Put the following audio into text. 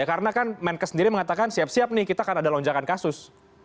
karena kan menkes sendiri mengatakan siap siap nih kita akan ada lonjakan kasus